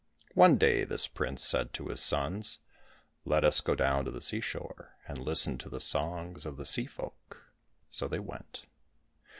One day this prince said to his sons, " Let us go down to the seashore and listen to the songs of the sea folk !" So they went.